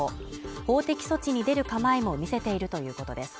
法的措置に出る構えも見せているということです。